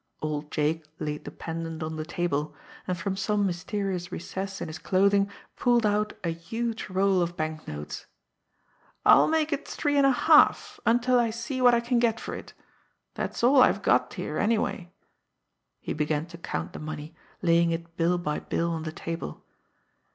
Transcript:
Old Jake laid the pendant on the table, and from some mysterious recess in his clothing pulled out a huge roll of banknotes. "I'll make it three and a half until I see what I can get for it. That's all I've got here, anyway." He began to count the money, laying it bill by bill on the table.